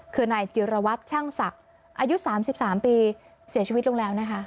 คือนายจิรวัตรช่างศักดิ์อายุ๓๓ปีเสียชีวิตลงแล้วนะคะ